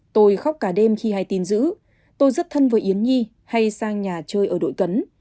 tôi khóc cả đêm khi hay tin giữ tôi rất thân với yến nhi hay sang nhà chơi ở đội cấn